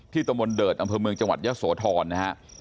ที่ตรงบนเดิดดำเภอเมืองจังหวัดเยอะโสธรนะฮะ